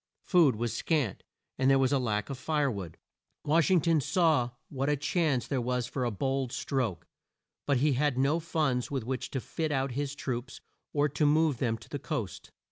Food was scant, and there was a lack of fire wood. Wash ing ton saw what a chance there was for a bold stroke, but he had no funds with which to fit out his troops, or to move them to the coast.